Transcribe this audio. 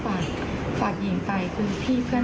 และก็จะรับความจริงของตัวเอง